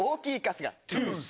トゥース。